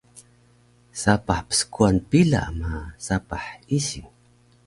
sapah pskuwan pila ma sapah ising